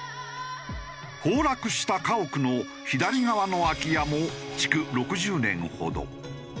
崩落した家屋の左側の空き家も築６０年ほど。